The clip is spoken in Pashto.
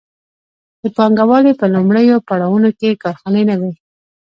د پانګوالۍ په لومړیو پړاوونو کې کارخانې نه وې.